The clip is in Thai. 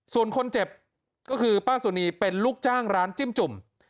ส่วนคนเจ็บก็คือป้าสุนีเป็นลูกจ้างร้านจิ้มจุ่ม